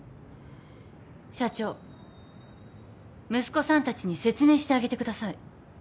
社長息子さんたちに説明してあげてください。